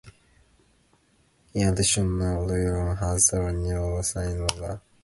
In addition, Dublin has an annual Saint Patrick's Day Festival in March.